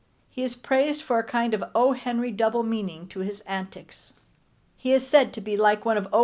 He is praised for a kind of O. Henry double meaning to his antics. He is said to be like one of O.